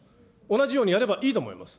同じようにやればいいと思います。